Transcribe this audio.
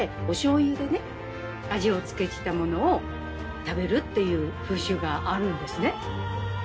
お醤油でね味付けしたものを食べるっていう風習があるんですね。